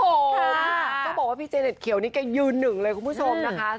ต้องบอกพี่เจเนทเขียวนี่กันยืนหนึ่งเลยคุณผู้ชมนะคะ